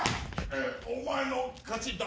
「お前の勝ちだ」